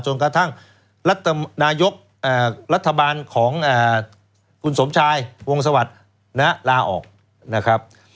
จนกระทั่งรัฐบาลของคุณสมชายวงศวรรษนะล่าออกนะครับ